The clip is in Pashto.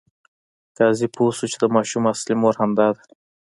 قاضي پوه شو چې د ماشوم اصلي مور همدا ده.